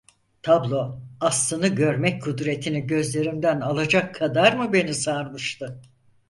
Tablo, aslını görmek kudretini gözlerimden alacak kadar mı beni sarmıştı?